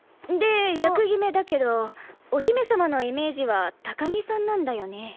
で役決めだけどお姫様のイメージは高木さんなんだよね。